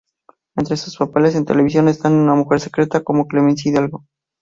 Entre sus papeles en televisión están en "Mujer secreta", como Clemencia Hidalgo.